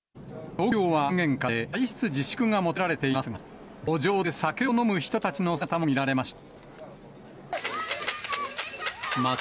東京は緊急事態宣言下で外出自粛が求められていますが、路上で酒を飲む人たちの姿も見られました。